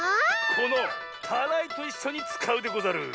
このたらいといっしょにつかうでござる。